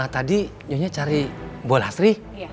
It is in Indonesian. tadi nyonya cari bolastri